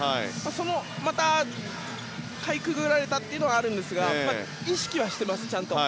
それをかいくぐられたのはあるんですが意識はしています、ちゃんと。